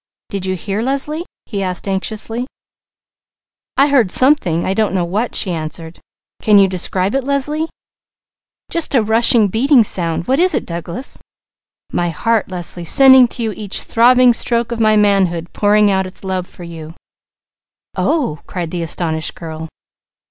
"Did you hear, Leslie?" he asked anxiously. "I heard something, I don't know what," she answered. "Can you describe it, Leslie?" "Just a rushing, beating sound! What is it Douglas?" "My heart, Leslie, sending to you each throbbing stroke of my manhood pouring out its love for you." "Oh h h!" cried the astonished girl.